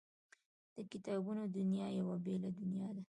د کتابونو دنیا یوه بېله دنیا ده